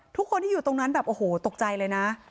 ทุกคนที่อยู่ตรงนั้นแบบโอ้โหตกใจเลยนะ